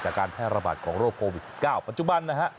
การแพร่ระบาดของโรคโควิด๑๙ปัจจุบันนะฮะ